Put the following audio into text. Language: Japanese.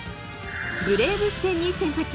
ブレーブス戦に先発。